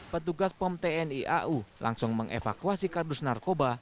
petugas pom tni au langsung mengevakuasi kardus narkoba